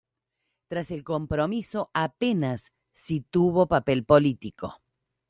Tras el compromiso apenas si tuvo papel político.